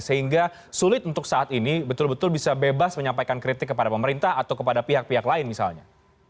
sehingga sulit untuk saat ini betul betul bisa bebas menyampaikan kritik kepada pemerintah atau kepada pihak pihak lain misalnya